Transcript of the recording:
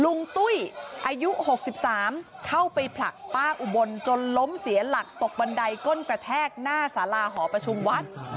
ตุ้ยอายุ๖๓เข้าไปผลักป้าอุบลจนล้มเสียหลักตกบันไดก้นกระแทกหน้าสาราหอประชุมวัด